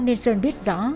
nên sơn biết rõ